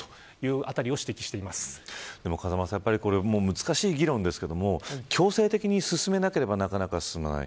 難しい議論ですけど強制的に進めなければなかなか進まない。